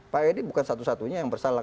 pak edi bukan satu satunya yang bersalah